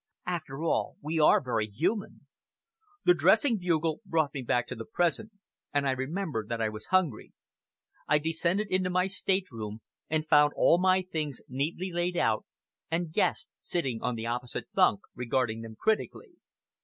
After all we are very human. The dressing bugle brought me back to the present, and I remembered that I was hungry. I descended into my state room, and found all my things neatly laid out, and Guest sitting on the opposite bunk regarded them critically.